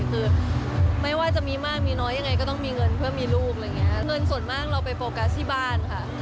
คือไม่ว่าจะมีมากมีน้อยยังไงก็ต้องมีเงินเพื่อมีลูกอะไรอย่างเงี้ยเงินส่วนมากเราไปโฟกัสที่บ้านค่ะ